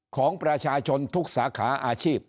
ของประชาชนทุกสาขาอาชีพ